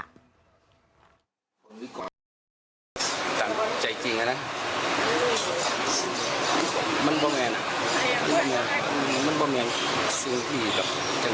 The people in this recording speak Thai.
บอกว่าที่จะทำแบบนี้แล้วที่มาบอกเศรษฐ์ในใต้หลัง